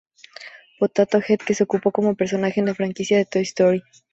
Potato Head que se ocupó como personaje en la franquicia de Toy Story.